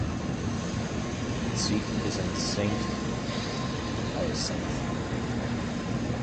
Its seat is in Saint-Hyacinthe.